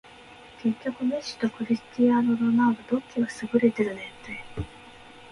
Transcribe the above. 結局メッシとクリスティアーノ・ロナウドどっちが優れてるねんて